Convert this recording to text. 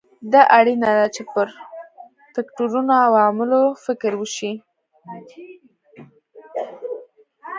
دا اړینه ده چې پر فکټورونو او عواملو فکر وشي.